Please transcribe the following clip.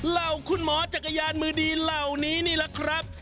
เหล่าคุณหมอจักรยานมือดีเหล่านี้นี่แหละครับ